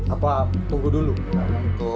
apa tunggu dulu